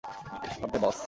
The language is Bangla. আব্বে, বস!